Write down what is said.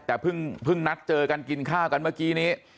แต่เพิ่งนัดเจอกันกินข้าวกันเมื่อกี้นี้